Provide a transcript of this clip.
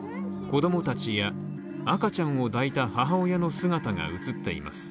子供たちや赤ちゃんを抱いた母親の姿が写っています。